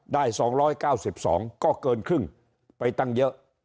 ได้๒๙๒ก็เกินครึ่งไปตั้งเยอะ